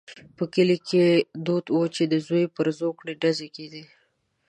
په کلي کې دود وو چې د زوی پر زوکړه ډزې کېدې.